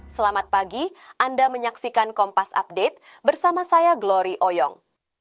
selamat pagi anda menyaksikan kompas update bersama saya glory oyong